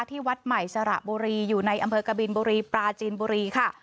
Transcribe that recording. ที่วัดใหม่สระบุรีอยู่ในอำเภอกบินบุรีปลาจีนบุรีค่ะ